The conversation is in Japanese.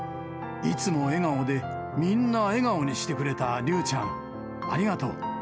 いつも笑顔で、みんな笑顔にしてくれた竜ちゃん、ありがとう。